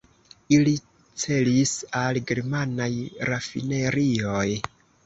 Ili celis al germanaj rafinerioj.